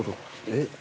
えっ？